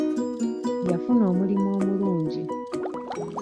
Yafuna omulimu omulungi.